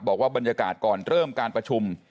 บอกว่าบรรยากาศก่อนเริ่มการประชุม